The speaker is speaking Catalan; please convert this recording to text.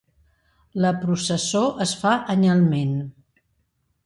La processó es fa anyalment.